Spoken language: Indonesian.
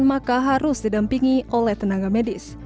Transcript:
maka harus didampingi oleh tenaga medis